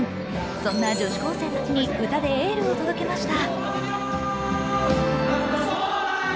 そんな女子高生たちに歌でエールを届けました。